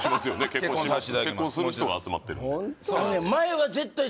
結婚する人が集まってるホント？